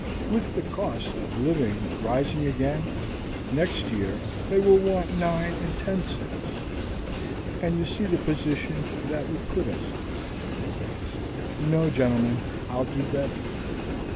With the cost of living rising again, next year they will want nine and ten cents and you see the position that would put us in. "No, gentlemen, I'll do better.